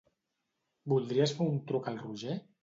Voldries fer un truc al Roger?